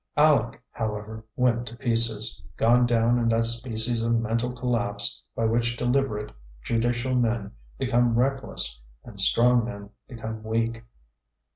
Aleck, however, went to pieces, gone down in that species of mental collapse by which deliberate, judicial men become reckless, and strong men become weak.